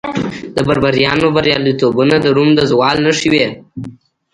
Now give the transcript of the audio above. د بربریانو بریالیتوبونه د روم د زوال نښې وې